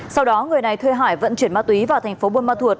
sau đó người này thuê hải vận chuyển ma túy vào thành phố buôn ma thuột